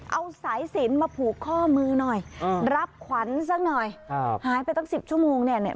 เอาสายศีลมาผูกข้อมือหน่อยรับขวัญสักหน่อยหายไปตั้งสิบชั่วโมงเนี่ย